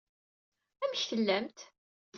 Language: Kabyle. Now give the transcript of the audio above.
Amek tellamt?